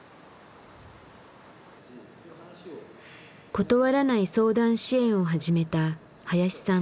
「断らない相談支援」を始めた林さん。